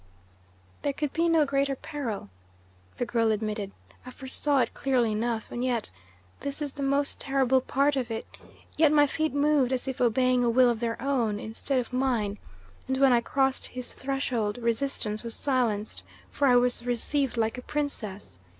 "There could be no greater peril," the girl admitted. "I foresaw it clearly enough, and yet this is the most terrible part of it yet my feet moved as if obeying a will of their own, instead of mine, and when I crossed his threshold, resistance was silenced, for I was received like a princess.